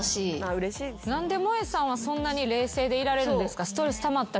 何で萌さんはそんな冷静でいられるんですか？